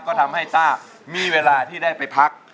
ก็ทำให้ต้ามีเวลาที่ได้ไปพัก